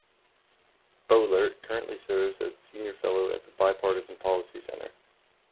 Boehlert currently serves as a Senior Fellow at the Bipartisan Policy Center.